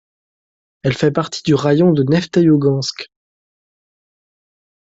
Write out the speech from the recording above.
Elle fait partie du raïon de Nefteïougansk.